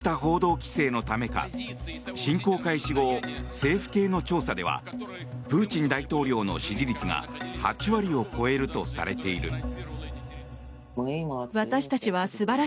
こうした報道規制のためか侵攻開始後政府系の調査ではプーチン大統領の支持率が８割を超えるとされている。